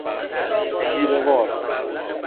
تیره وار